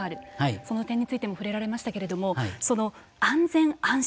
その点についても触れられましたけれどもその安全・安心